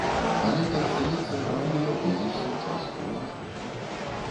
Але так здаецца, пакуль не ўгледзішся ў час уважліва.